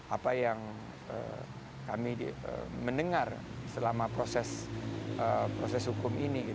apa yang kami mendengar selama proses hukum ini